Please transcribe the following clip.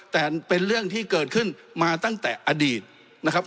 แต่เป็นเรื่องที่เกิดขึ้นมาตั้งแต่อดีตนะครับ